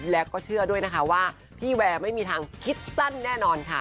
แล้วก็เชื่อด้วยนะคะว่าพี่แวร์ไม่มีทางคิดสั้นแน่นอนค่ะ